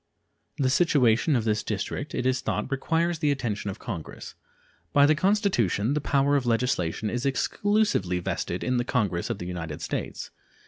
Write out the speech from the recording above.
The situation of this District, it is thought, requires the attention of Congress. By the Constitution the power of legislation is exclusively vested in the Congress of the United States.